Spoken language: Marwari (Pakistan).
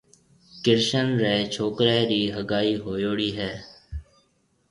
ڪرشن ريَ ڇوڪريَ رِي هگائي هوئيوڙِي هيَ۔